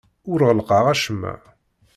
Ur ɣellqeɣ acemma.